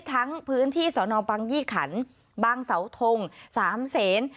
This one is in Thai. พื้นที่สนบังยี่ขันบางเสาทง๓เสน